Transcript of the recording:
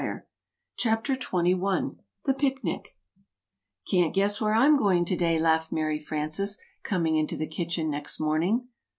"] CHAPTER XXI THE PICNIC "CAN'T guess where I'm going to day," laughed Mary Frances, coming into the kitchen next morning.